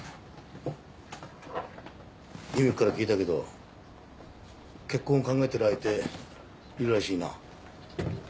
弓子から聞いたけど結婚を考えてる相手いるらしいな。